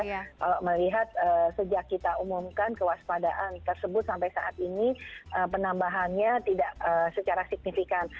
kalau melihat sejak kita umumkan kewaspadaan tersebut sampai saat ini penambahannya tidak secara signifikan